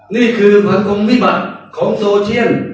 นี่คือความคงวิบัติของโซเทียน